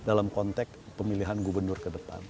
dalam konteks pemilihan gubernur kedepan